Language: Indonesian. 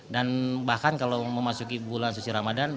dan bahkan kalau mau memasuki bulan sisi ramadhan